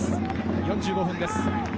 ４５分です。